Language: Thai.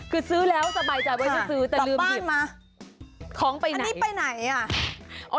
คือซื้อแล้วสบายจับเลยจะซื้อแต่ลืมหยิบอันนี้ไปไหนอ่ะ